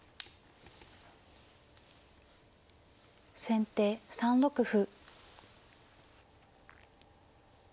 先手３六歩。